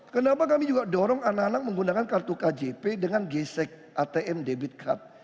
kenapa kami juga dorong anak anak menggunakan kartu kjp dengan gesek atm debit cup